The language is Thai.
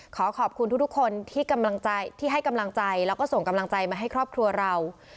ขอขอบคุณทุกคนที่ให้กำลังใจแล้วก็ส่งกำลังใจมาให้ครอบครัวเรา